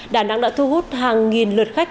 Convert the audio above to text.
đà nẵng đã thu hút hàng nghìn lượt khách